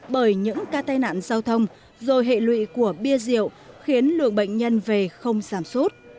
bởi những ca tai nạn giao thông rồi hệ lụy của bia rượu khiến lượng bệnh nhân về không giảm sút